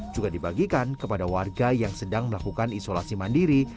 juga dibagikan kepada warga yang sedang melakukan isolasi mandiri